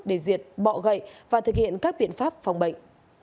để diệt bọ gậy và thực hiện các biện pháp phòng bệnh